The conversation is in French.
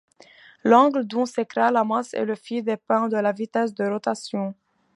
L'angle dont s'écarte la masse et le fil dépend de la vitesse de rotation.